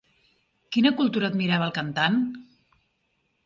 Quina cultura admirava el cantant?